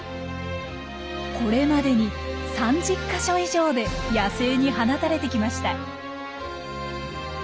これまでに３０か所以上で野生に放たれてきました。